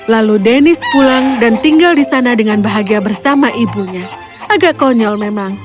lalu deniz pulang dan tinggal di sana dengan bahagia bersama ibunya agak konyol memang